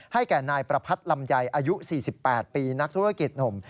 แก่นายประพัทธลำไยอายุ๔๘ปีนักธุรกิจหนุ่ม